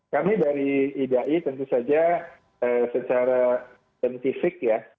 kami dari idai tentu saja secara saintifik ya